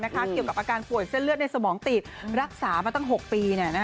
เกี่ยวกับอาการป่วยเส้นเลือดในสมองติดรักษามาตั้ง๖ปี